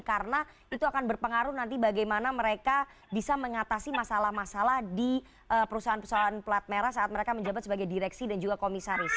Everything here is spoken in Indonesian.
karena itu akan berpengaruh nanti bagaimana mereka bisa mengatasi masalah masalah di perusahaan perusahaan pelat merah saat mereka menjabat sebagai direksi dan juga komisaris